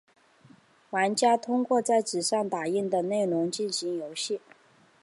玩家通过在纸上打印的内容进行游戏。